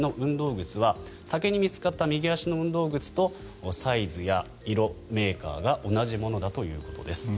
靴は先に見つかった右足の運動靴とサイズや色、メーカーが同じものだということです。